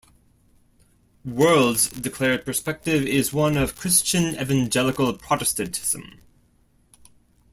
"World"'s declared perspective is one of Christian evangelical Protestantism.